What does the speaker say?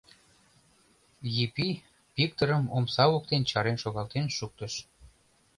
— Епи Виктырым омса воктен чарен шогалтен шуктыш.